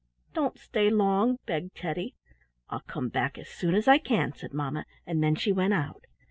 "Don't stay long," begged Teddy. "I'll come back as soon as I can," said mamma, and then she went out.